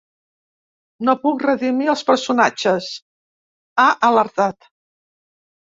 “No puc redimir els personatges”, ha alertat.